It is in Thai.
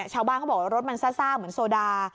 ชาวบ้านเขาบอกว่ารถมันซ่าเหมือนโซดา